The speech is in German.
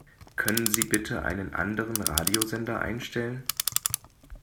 Können Sie bitte einen anderen Radiosender einstellen?